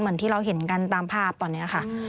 เหมือนที่เราเห็นกันตามภาพตอนนี้ค่ะ